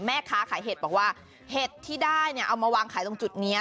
แม่ค้าขายเห็ดบอกว่าเห็ดที่ได้เนี่ยเอามาวางขายตรงจุดนี้